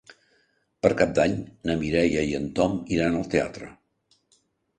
Per Cap d'Any na Mireia i en Tom iran al teatre.